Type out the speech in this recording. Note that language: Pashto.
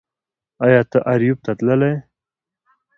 ایا ته اریوب ته تللی یې